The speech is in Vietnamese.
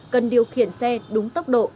cần điều khiển xe đúng tốc độ